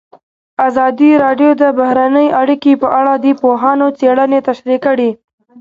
ازادي راډیو د بهرنۍ اړیکې په اړه د پوهانو څېړنې تشریح کړې.